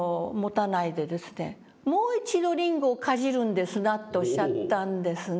「もう一度りんごをかじるんですな」とおっしゃったんですね。